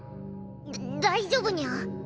だ大丈夫ニャ。